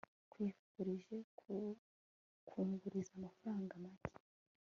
nkwifurije kunguriza amafaranga make